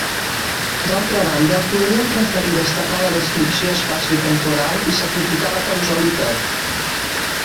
D'altra banda, podríem preferir destacar la descripció espaciotemporal i sacrificar la causalitat.